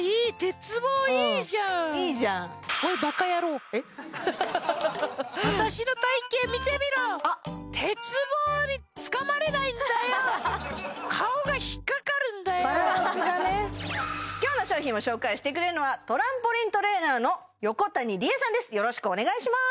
バランスがね今日の商品を紹介してくれるのはトランポリントレーナーの横谷りえさんです